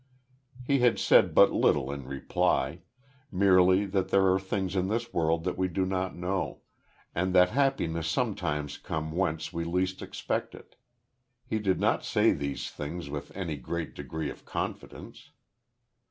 He had said but little in reply merely that there are things in this world that we do not know, and that happiness sometimes come whence we least expect it. He did not say these things with any great degree of confidence.